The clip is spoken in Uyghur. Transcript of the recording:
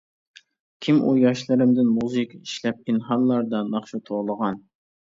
كىم ئۇ ياشلىرىمدىن مۇزىكا ئىشلەپ، پىنھانلاردا ناخشا توۋلىغان.